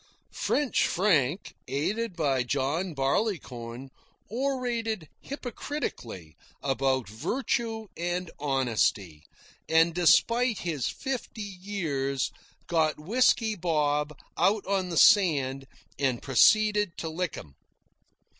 French Frank, aided by John Barleycorn, orated hypocritically about virtue and honesty, and, despite his fifty years, got Whisky Bob out on the sand and proceeded to lick him.